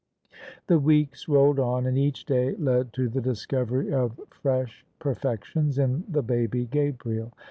The weeks rolled on; and each day led to the discovery of fresh perfections in the baby Gabriel.